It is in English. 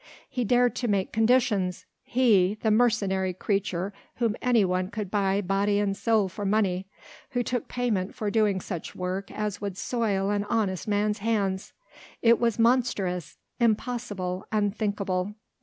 He dared to make conditions! he! the mercenary creature whom anyone could buy body and soul for money, who took payment for doing such work as would soil an honest man's hands! It was monstrous! impossible, unthinkable.